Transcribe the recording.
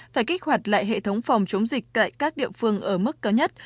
phải kích hoạt lại hệ thống phòng chống dịch tại các địa phương ở mức cao nhất